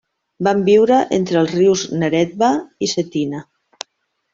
Van viure entre els rius Neretva i Cetina.